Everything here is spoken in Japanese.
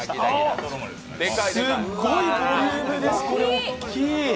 すっごいボリュームです、これ大きい！